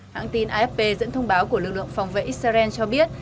hãng tin afp dẫn thông báo của lực lượng phòng vệ israel cho biết